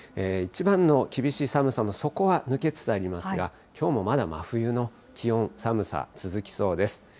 一番の厳しい寒さの底は、抜けつつありますが、きょうもまだ真冬の気温、寒さ、続きそうです。